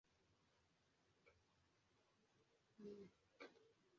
Umugore uri mu biro areba ecran ya mudasobwa ya desktop na mudasobwa igendanwa